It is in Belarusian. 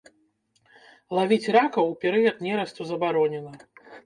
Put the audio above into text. Лавіць ракаў у перыяд нерасту забаронена.